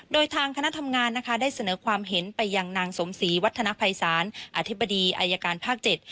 โดยทางคณะทำงานนะคะได้เสนอความเห็นไปยังนางสมศรีวัฒนภัยศาลอธิบดีอายการภาค๗